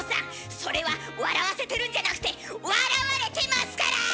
それは笑わせてるんじゃなくて笑われてますから！